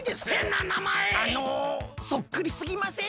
あのそっくりすぎません？